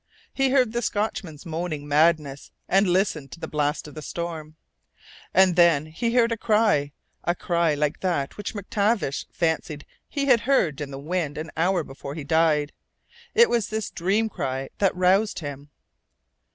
He heard the Scotchman's moaning madness and listened to the blast of storm. And then he heard a cry a cry like that which MacTavish fancied he had heard in the wind an hour before he died. It was this dream cry that roused him.